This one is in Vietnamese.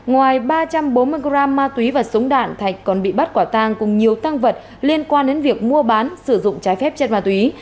bốn trăm bốn mươi gram ma túy và súng đạn thạch còn bị bắt quả tàng cùng nhiều tăng vật liên quan đến việc mua bán sử dụng cháy phép chất ma túy